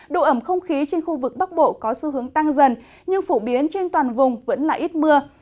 độ ẩm không khí trên khu vực bắc bộ có xu hướng tăng dần nhưng phổ biến trên toàn vùng vẫn là ít mưa